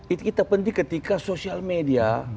itu kita penting ketika sosial media